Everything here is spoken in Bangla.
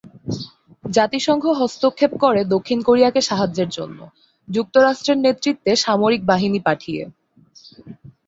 জাতিসংঘ হস্তক্ষেপ করে দক্ষিণ কোরিয়াকে সাহায্যের জন্য, যুক্তরাষ্ট্রের নেতৃত্বে সামরিক বাহিনী পাঠিয়ে।